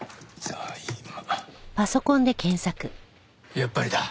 やっぱりだ。